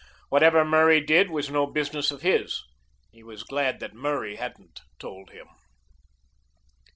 Whatever Murray did was no business of his. He was glad that Murray hadn't told him.